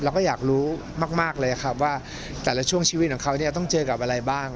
เราก็อยากรู้มากเลยครับว่าแต่ละช่วงชีวิตของเขาเนี่ยต้องเจอกับอะไรบ้าง